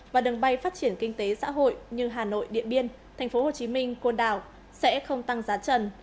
và đường bay phát triển kinh tế xã hội như hà nội điện biên tp hcm côn đảo sẽ không tăng giá trần